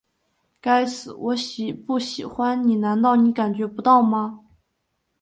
该死，我喜不喜欢你难道你感觉不到吗?